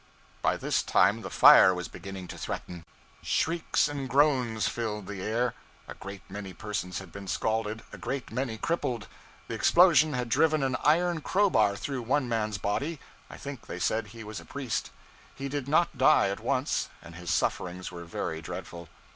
By this time the fire was beginning to threaten. Shrieks and groans filled the air. A great many persons had been scalded, a great many crippled; the explosion had driven an iron crowbar through one man's body I think they said he was a priest. He did not die at once, and his sufferings were very dreadful.